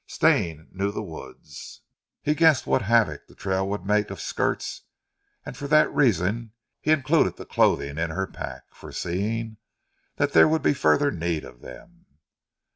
Stane knew the woods; he guessed what havoc the trail would make of skirts and for that reason he included the clothing in her pack, foreseeing that there would be further need of them.